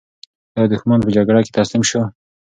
ایا دښمن په جګړه کې تسلیم شو؟